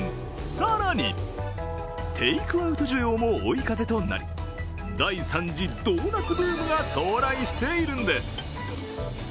更に、テイクアウト需要も追い風となり第３次ドーナツブームが到来しているんです。